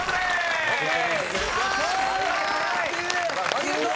ありがとう！